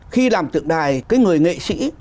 khi làm tượng đài cái người nghệ sĩ